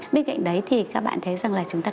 bên cạnh đấy thì các bạn thấy rằng là chúng ta